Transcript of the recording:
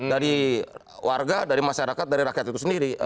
dari warga dari masyarakat dari rakyat itu sendiri